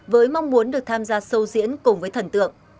với mong muốn được tham gia sâu diễn cùng với thần tượng